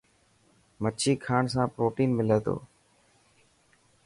مڇي کاڻ سان پروٽين ملي ٿي.